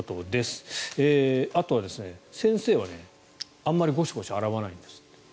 あとは先生はあんまりゴシゴシ洗わないんですって。